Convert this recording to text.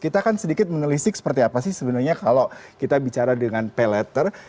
kita akan sedikit menelisik seperti apa sih sebenarnya kalau kita bicara dengan pay letter